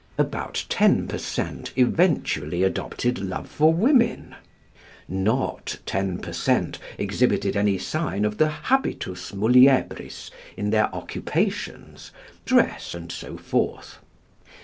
About ten per cent. eventually adopted love for women. Not ten per cent. exhibited any sign of the habitus muliebris in their occupations, dress, and so forth.